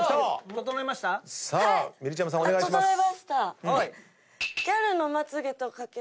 整いました。